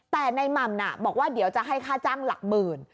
แต่ในหม่ำบอกว่าเดี๋ยวจะให้ค่าจ้างหลักหมื่น